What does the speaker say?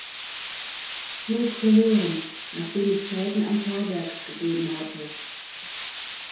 Flug verloren, nachdem es Schäden am Fahrwerk gegeben hatte.